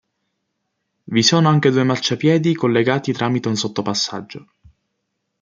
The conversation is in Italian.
Vi sono anche due marciapiedi collegati tramite un sottopassaggio.